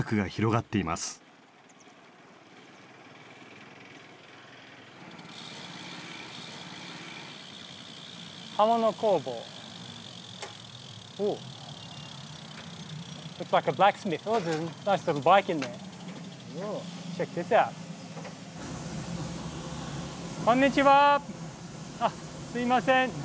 あっすいません。